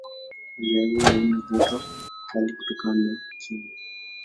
Hali ya hewa haina joto kali kutokana na kimo.